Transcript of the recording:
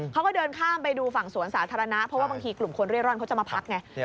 เขาก็เดินข้ามไปดูฝั่งสวนสาธารณะเพราะว่าบางทีกลุ่มคนเร่ร่อนเขาจะมาพักไง